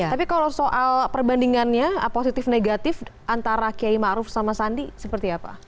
tapi kalau soal perbandingannya positif negatif antara kiai ma'ruf sama sandi seperti apa